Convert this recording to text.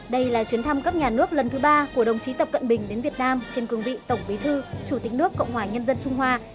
đây là chuyến thăm cấp nhà nước lần thứ ba của đồng chí tập cận bình đến việt nam trên cường vị tổng bí thư chủ tịch nước cộng hòa nhân dân trung hoa